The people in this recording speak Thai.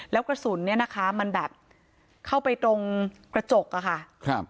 แล้วกระสุนเนี่ยนะคะมันแบบเข้าไปตรงกระจกอะค่ะครับ